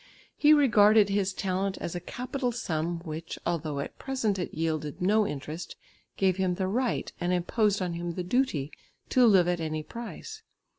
He regarded his talent as a capital sum, which, although at present it yielded no interest, gave him the right and imposed on him the duty to live at any price.